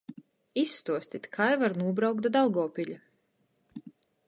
Izstuostit, kai var nūbraukt da Daugovpiļa!